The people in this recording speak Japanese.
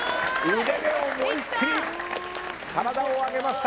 腕で思いっきり体を上げました。